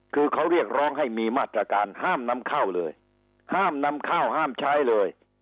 คือเขาเรียกร้องให้มีมาตรการห้ามนำเข้าเลยห้ามนำข้าวห้ามใช้เลย